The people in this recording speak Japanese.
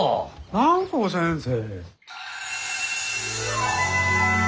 蘭光先生。